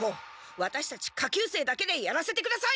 ワタシたち下級生だけでやらせてください！